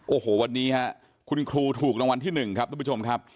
โอ้โหวันนี้ฮะคุณครูถูกรางวัลที่๑ครับทุกผู้ชมครับ